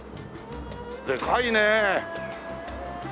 でかいねえ。